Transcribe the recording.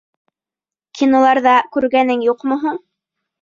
— Киноларҙа күргәнең юҡмы һуң?..